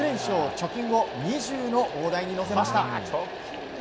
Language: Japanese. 貯金を２０の大台に乗せました。